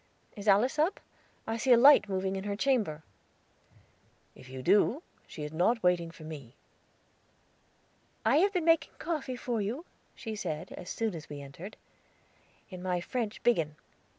Is Alice up? I see a light moving in her chamber." "If you do, she is not waiting for me." "I have been making coffee for you," she said, as soon as we entered, "in my French biggin.